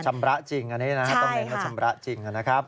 ชำระจริงอันนี้นะต้องเห็นว่าชำระจริงนะครับใช่ค่ะ